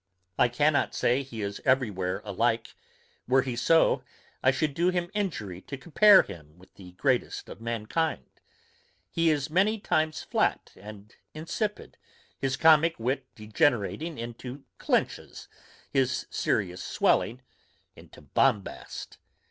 I cannot say he is every where alike; were he so, I should do him injury to compare him with the greatest of mankind. He is many times flat and insipid; his comick wit degenerating into clenches, his serious swelling into bombast.